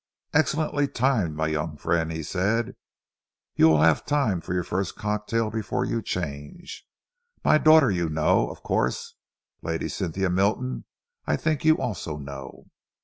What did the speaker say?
"Excellently timed, my young friend," he said. "You will have time for your first cocktail before you change. My daughter you know, of course. Lady Cynthia Milton I think you also know."